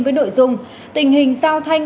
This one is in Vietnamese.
với nội dung tình hình sao thanh